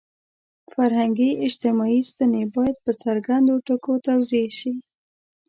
فرهنګي – اجتماعي ستنې باید په څرګندو ټکو توضیح شي.